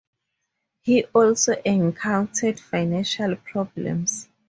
He also encountered financial problems.